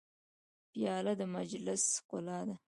پیاله د مجلس ښکلا ده.